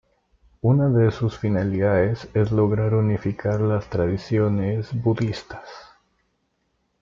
Una de sus finalidades es lograr unificar las tradiciones budistas.